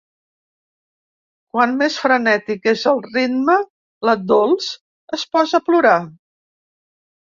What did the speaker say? Quan més frenètic és el ritme la Dols es posa a plorar.